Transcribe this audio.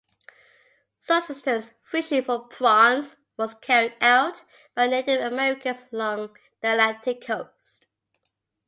Subsistence fishing for prawns was carried out by Native Americans along the Atlantic coast.